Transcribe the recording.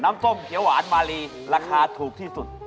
ส้มเขียวหวานมาลีราคาถูกที่สุด